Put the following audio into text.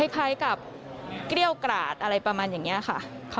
คล้ายกับเกรี้ยวกราดอะไรประมาณอย่างนี้ค่ะ